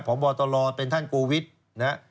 พบตรเป็นท่านโกวิทย์นะฮะ